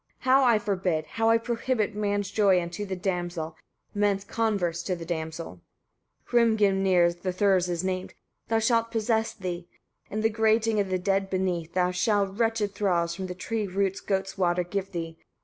how I forbid, how I prohibit man's joy unto the damsel, man's converse to the damsel. 35. Hrimgrimnir the Thurs is named, that shall possess thee, in the grating of the dead beneath; there shall wretched thralls, from the tree's roots, goats' water give thee.